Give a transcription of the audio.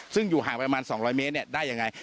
ซึ่งอยู่ห่างไปประมาณสองร้อยเมตรเนี้ยได้ยังไง